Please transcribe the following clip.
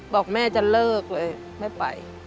บอกแม่จะเลิกเลยไม่ไป